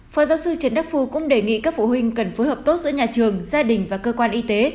phó giáo sư trần đắc phu cũng đề nghị các phụ huynh cần phối hợp tốt giữa nhà trường gia đình và cơ quan y tế